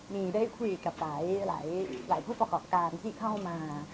มีได้คุยกับหลายผู้ประกอบการที่เข้ามา